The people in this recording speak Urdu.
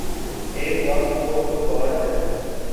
ایک غم ہو تو بات ہے۔